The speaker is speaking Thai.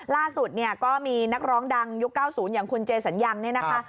ล่าสุดเนี่ยก็มีนักร้องดังยุค๙๐อย่างคุณเจสัญญังเนี่ยนะคะ